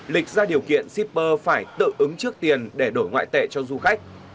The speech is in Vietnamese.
lịch ra điều kiện shipper phải tự ứng trước tiền để đổi ngoại tệ cho du khách